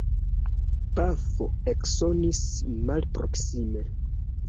Pafo eksonis malproksime.